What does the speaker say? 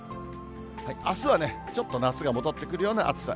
あすは、ちょっと夏が戻ってくるような暑さ。